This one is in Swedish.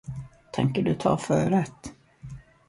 Tänker du ta förrätt?